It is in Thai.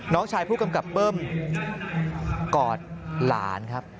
น้องชายผู้กำกับเบิ้มกอดหลานครับ